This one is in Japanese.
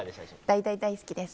大大大好きです。